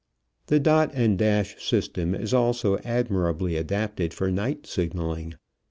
The dot and dash system is also admirably adapted for night signaling.